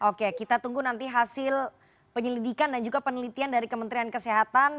oke kita tunggu nanti hasil penyelidikan dan juga penelitian dari kementerian kesehatan